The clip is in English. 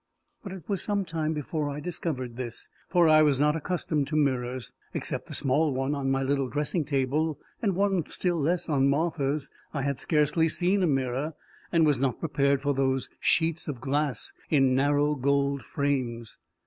But it was some time before I discovered this, for I was not accustomed to mirrors. Except the small one on my little dressing table, and one still less on Martha's, I had scarcely seen a mirror, and was not prepared for those sheets of glass in narrow gold frames.